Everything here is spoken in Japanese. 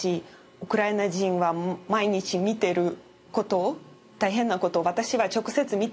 ウクライナ人は毎日見てることを大変なことを私は直接見ていません。